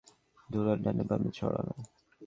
ধূলা ডানে-বামে ছড়ানো।